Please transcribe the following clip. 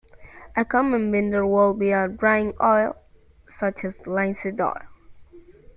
A common binder would be a drying oil such as linseed oil.